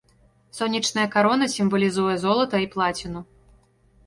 Сонечная карона сімвалізуе золата і плаціну.